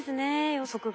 予測が。